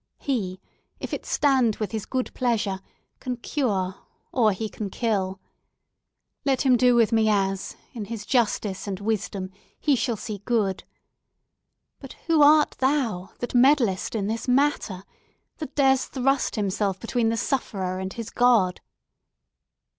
He, if it stand with His good pleasure, can cure, or he can kill. Let Him do with me as, in His justice and wisdom, He shall see good. But who art thou, that meddlest in this matter? that dares thrust himself between the sufferer and his God?"